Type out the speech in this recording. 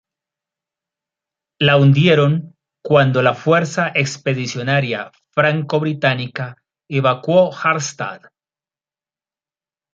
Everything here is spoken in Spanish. La hundieron cuando la Fuerza Expedicionaria franco-británica evacuó Harstad.